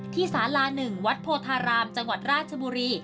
สาลา๑วัดโพธารามจังหวัดราชบุรี